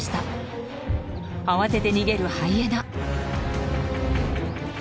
慌てて逃げるハイエナ。